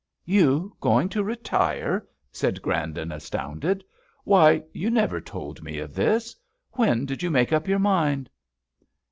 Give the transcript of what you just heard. "You going to retire!" said Grandon, astounded. "Why, you never told me of this. When did you make up your mind?"